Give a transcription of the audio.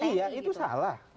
iya itu salah